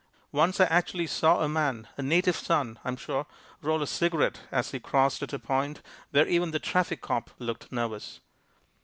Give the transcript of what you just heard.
Once I actually saw a man, a native son, I'm sure, roll a cigarette as he crossed at a point where even the traffic cop looked nervous.